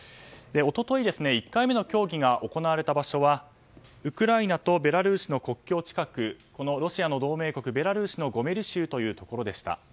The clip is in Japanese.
一昨日１回目の協議が行われた場所はウクライナとベラルーシの国境近くロシアの同盟国ベラルーシのゴメリ州というところでした。